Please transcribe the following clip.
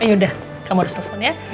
yaudah kamu harus telfon ya